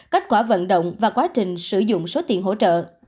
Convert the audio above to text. kết quả vận động và quá trình sử dụng số tiền hỗ trợ